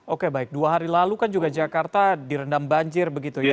oke baik dua hari lalu kan juga jakarta direndam banjir begitu ya